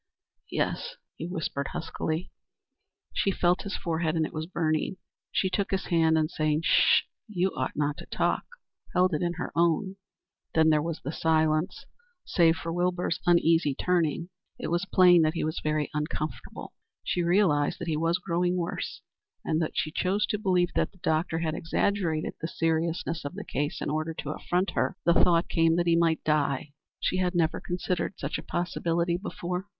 "Yes," he whispered huskily. She felt his forehead, and it was burning. She took his hand and saying, "Sh! You ought not to talk," held it in her own. Then there was silence save for Wilbur's uneasy turning. It was plain that he was very uncomfortable. She realized that he was growing worse, and though she chose to believe that the doctor had exaggerated the seriousness of the case in order to affront her, the thought came that he might die. She had never considered such a possibility before.